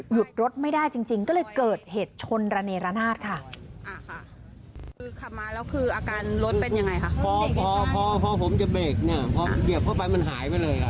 หยุดรถไม่ได้จริงก็เลยเกิดเหตุชนระเนรนาศค่ะ